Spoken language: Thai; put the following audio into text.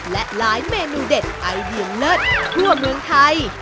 และหลายเมนูเด็ดไอเดียเลิศทั่วเมืองไทย